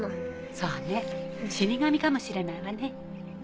そうね死神かもしれないわね。